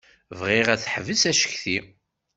Bɣiɣ ad teḥbes acetki.